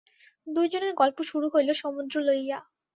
দুইজনের গল্প শুরু হইল সমুদ্র লইয়া।